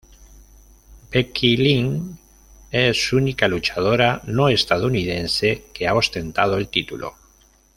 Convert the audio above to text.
Becky Lynch es única luchadora no estadounidense que ha ostentado el título.